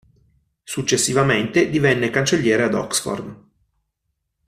Successivamente divenne cancelliere ad Oxford.